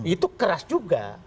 itu keras juga